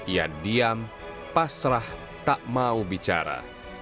ia diam pasrah tak mau bicara